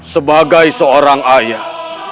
sebagai seorang ayah